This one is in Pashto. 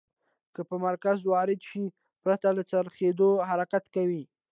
که په مرکز وارده شي پرته له څرخیدو حرکت کوي.